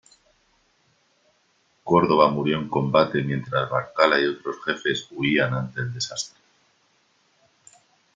Córdoba murió en combate mientras Barcala y otros jefes huían ante el desastre.